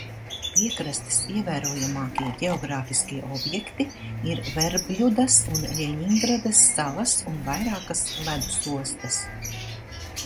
Piekrastes ievērojamākie ģeogrāfiskie objekti ir Verbļudas un Ļeņingradas salas un vairākas ledus ostas.